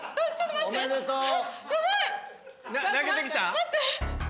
待って。